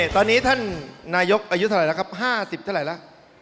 ตอนนี้ท่านนายกอายุเท่าไหร่แล้วครับ๕๐เท่าไหร่แล้ว